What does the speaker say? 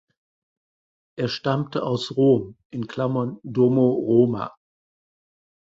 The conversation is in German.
Er stammte aus Rom ("domo Roma").